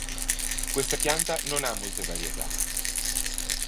Questa pianta non ha molte varietà.